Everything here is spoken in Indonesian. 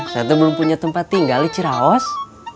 saya tuh belum punya tempat tinggal di ciraos